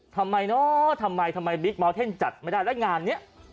ทำไมเนอะทำไมทำไมบิ๊กเมาเท่นจัดไม่ได้แล้วงานนี้